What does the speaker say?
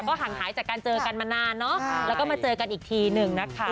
ห่างหายจากการเจอกันมานานเนอะแล้วก็มาเจอกันอีกทีหนึ่งนะคะ